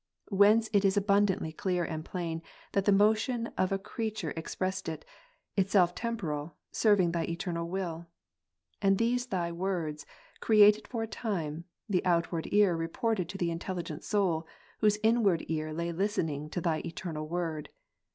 Whence it is abundantly clear and plain that the motion of a creature expressed it, itself temporal, serving Thy eternal will. And these Thy words, created for a time, the outward ear reported to the intelligent soul, whose inward ear lay listening to Thy Eternal Word.